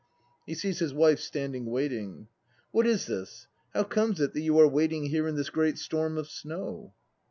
(He sees his WIFE standing waiting.) What is this! How comes it that you are waiting here in this great storm of snow?